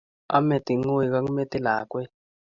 Ame tungwek ak metit lakwet